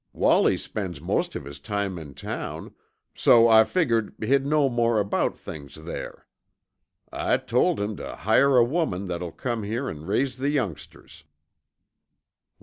"Wallie spends most of his time in town, so I figgered he'd know more about things there. I told him tuh hire a woman that'll come here an' raise the youngsters."